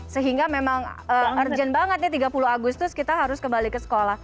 sehingga memang urgent banget nih tiga puluh agustus kita harus kembali ke sekolah